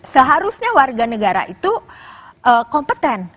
seharusnya warga negara itu kompeten